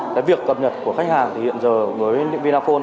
cái việc cập nhật của khách hàng thì hiện giờ với những vinaphone